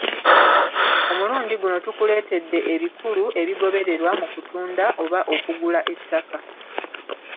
Omulundi guno tukuleetedde ebikulu ebigobererwa mu kutunda oba okugula ettaka.